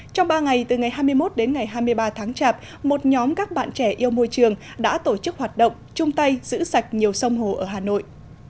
trong ba ngày từ ngày hai mươi một đến ngày hai mươi ba tháng chạp một nhóm các bạn trẻ yêu môi trường đã tổ chức hoạt động chung tay giữ sạch nhiều sông hồ ở hà nội